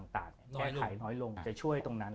แก้ไขน้อยลงจะช่วยตรงนั้น